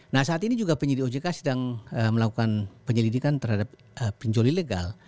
nah saat ini juga penyidik ojk sedang melakukan penyelidikan terhadap pinjol ilegal